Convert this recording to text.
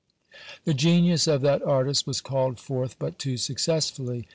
The genius of that artist was called forth but too successfully.